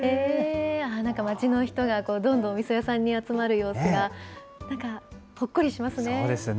町の人がどんどんおみそ屋さんに集まる様子が、なんかほっこりしますね。